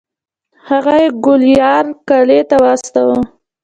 هغه یې ګوالیار قلعې ته واستوه.